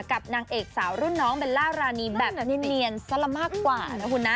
นางเอกสาวรุ่นน้องเบลล่ารานีแบบเนียนซะละมากกว่านะคุณนะ